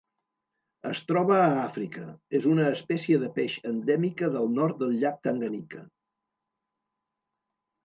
Es troba a Àfrica: és una espècie de peix endèmica del nord del llac Tanganyika.